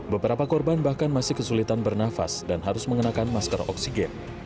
beberapa korban bahkan masih kesulitan bernafas dan harus mengenakan masker oksigen